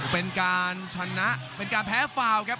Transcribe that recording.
เป็นการชนะเป็นการแพ้ฟาวครับ